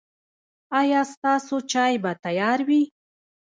ایا ستاسو چای به تیار وي؟